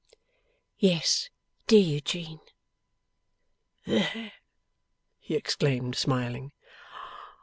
'Yes, dear Eugene.' 'There!' he exclaimed, smiling.